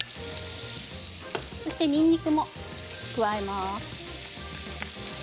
そして、にんにくも加えます。